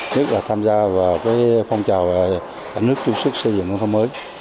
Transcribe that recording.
nhất là tham gia vào phong trào ảnh hước trung sức xây dựng nông thôn mới